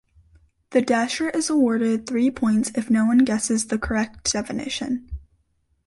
The dasher is awarded three points if no one guesses the correct definition.